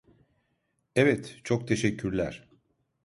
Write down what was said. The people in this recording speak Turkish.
Evet, çok teşekkürler.